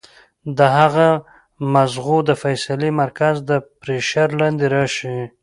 د هغه د مزغو د فېصلې مرکز د پرېشر لاندې راشي